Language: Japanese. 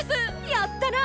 やったな！